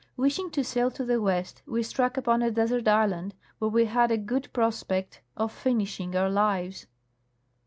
Wishing to sail to the west, we struck upon a desert island, where we had a good pros pect of finishing our lives.